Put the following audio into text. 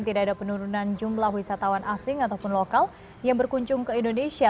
tidak ada penurunan jumlah wisatawan asing ataupun lokal yang berkunjung ke indonesia